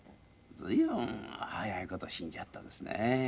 随分早い事死んじゃったですね。